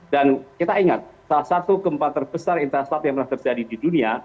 dan kita ingat salah satu gempa terbesar interaslam yang pernah terjadi di dunia